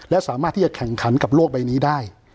และสามารถที่จะแข่งขันกับโลกใบนี้ได้